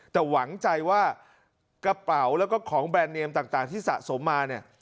แต่หวังใจว่ากระเป๋าแล้วก็ของแบรนดเนมต่างที่สะสมมาเนี่ย